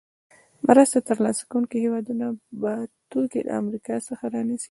مرسته تر لاسه کوونکې هېوادونه به توکي له امریکا څخه رانیسي.